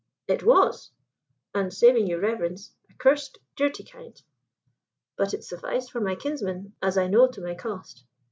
"It was, and, saving your reverence, a cursed dirty kind. But it sufficed for my kinsman, as I know to my cost.